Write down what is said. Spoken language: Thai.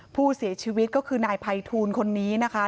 ผู้เสียชีวิตก็คือนายภัยทูลคนนี้นะคะ